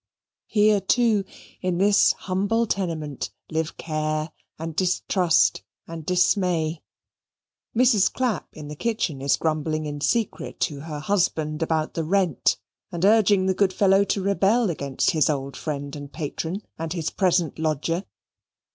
Here, too, in this humble tenement, live care, and distrust, and dismay. Mrs. Clapp in the kitchen is grumbling in secret to her husband about the rent, and urging the good fellow to rebel against his old friend and patron and his present lodger.